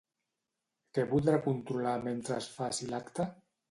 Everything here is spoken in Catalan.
Què voldrà controlar mentre es faci l'acte?